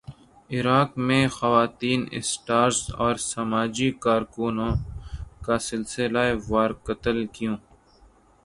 عراق میں خواتین اسٹارز اور سماجی کارکنوں کا سلسلہ وار قتل کیوں